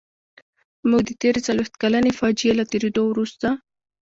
موږ د تېرې څلويښت کلنې فاجعې له تېرېدو وروسته.